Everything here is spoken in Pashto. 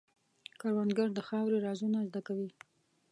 کروندګر د خاورې رازونه زده کوي